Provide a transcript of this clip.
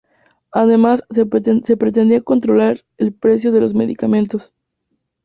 Además se pretendía controlar el precio de los medicamentos.